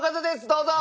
どうぞ！